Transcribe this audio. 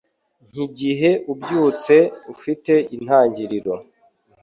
nkigihe ubyutse ufite intangiriro